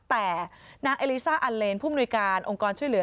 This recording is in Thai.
แต่นางเอลิซ่าอัลเลนผู้มนุยการองค์กรช่วยเหลือ